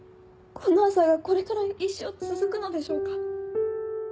こんな朝がこれからも一生続くのでしょうか？